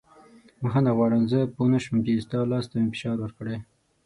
بښنه غواړم زه پوه نه شوم چې ستا لاس ته مې فشار ورکړی.